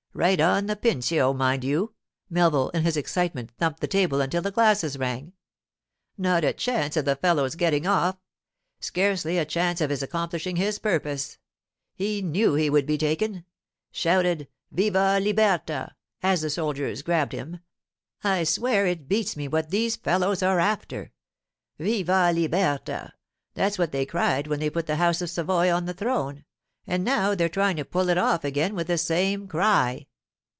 'Right on the Pincio, mind you.' Melville in his excitement thumped the table until the glasses rang. 'Not a chance of the fellow's getting off. Scarcely a chance of his accomplishing his purpose. He knew he would be taken. Shouted, "Viva libertà!" as the soldiers grabbed him—I swear it beats me what these fellows are after. "Viva libertà!" That's what they cried when they put the House of Savoy on the throne, and now they're trying to pull it off again with the same cry.